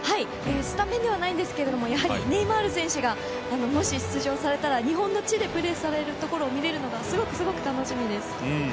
スタメンではないんですがやはりネイマール選手がもし出場されたら日本の地でプレーされるところを見られるのがすごく楽しみです。